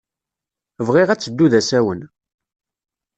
Bɣiɣ ad teddu d asawen.